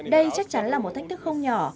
đây chắc chắn là một thách thức không nhỏ